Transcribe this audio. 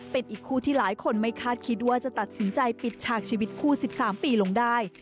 เป็นอีกคู่ที่หลายคนไม่คาดคิดว่าจะตัดสินใจปิดฉากชีวิตคู่๑๓ปีลงได้